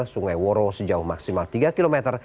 sungai woro sejauh maksimal tiga kilometer